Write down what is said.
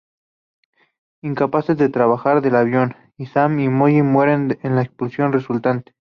Incapaces de bajar del avión, Sam y Molly mueren en la explosión resultante.